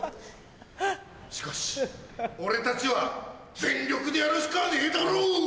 しかし俺たちは全力でやるしかねえだろう！